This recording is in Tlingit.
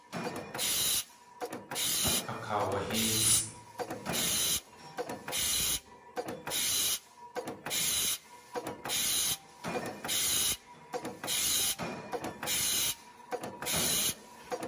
Akaawahéesʼ.